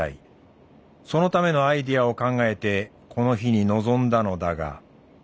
そのためのアイデアを考えてこの日に臨んだのだが。